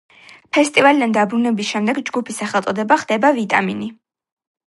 ფესტივალიდან დაბრუნების შემდეგ ჯგუფის სახელწოდება ხდება „ვიტამინი“.